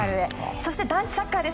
そして男子サッカーです。